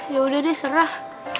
yaudah deh serah